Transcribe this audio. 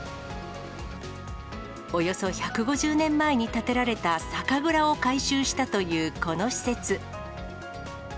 およそ１５０年前に建てられた酒蔵を改修したというこの施設。